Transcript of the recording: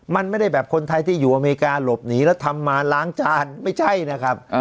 มันไม่ได้แบบคนไทยที่อยู่อเมริกาหลบหนีแล้วทำมาล้างจานไม่ใช่นะครับ